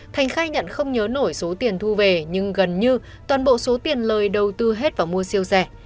thành khai nhận không nhớ nổi số tiền thu về nhưng gần như toàn bộ số tiền lời đầu tư hết và mua siêu xe